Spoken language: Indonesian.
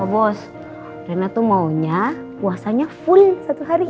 oh bos rena tuh maunya puasanya full satu hari ya